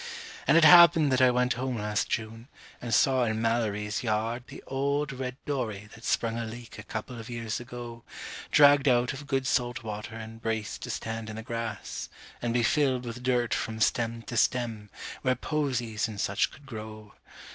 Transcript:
And it happened that I went home last June, and saw in Mallory's yard The old red dory that sprung a leak a couple of years ago, Dragged out of good salt water and braced to stand in the grass And be filled with dirt from stem to stern, where posies and such could grow.